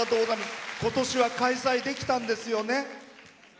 今年は開催できたんですよね？